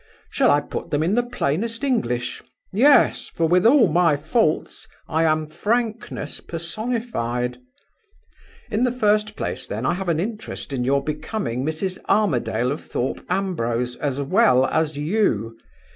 Shall I put them in the plainest English? Yes; for, with all my faults, I am frankness personified. "In the first place, then, I have an interest in your becoming Mrs. Armadale of Thorpe Ambrose as well as you.